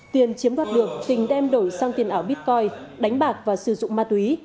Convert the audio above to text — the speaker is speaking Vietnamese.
tiền chiếm đoạt được tình đem đổi sang tiền ảo bitcoin đánh bạc và sử dụng ma túy